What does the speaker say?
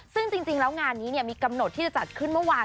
ซึ่งจริงแล้วงานนี้มีกำหนดที่จะจัดขึ้นเมื่อวาน